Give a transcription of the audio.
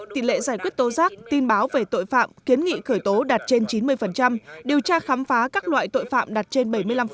tỷ lệ giải quyết tố giác tin báo về tội phạm kiến nghị khởi tố đạt trên chín mươi điều tra khám phá các loại tội phạm đạt trên bảy mươi năm